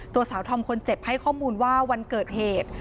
ตัวสาวธอมคนเจ็บให้ข้อมูลว่าวันเกิดเหตุ